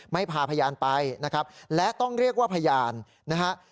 พาพยานไปนะครับและต้องเรียกว่าพยานนะฮะ